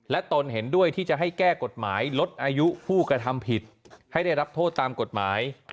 และตนเห็นด้วยที่จะให้แก้กฎหมายลดอายุผู้กระทำผิดให้ได้รับโทษตามกฎหมาย